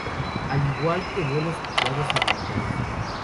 Al igual que vuelos privados y militares.